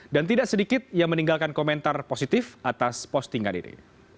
dan tidak sedikit yang meninggalkan komentar positif atas postingan ini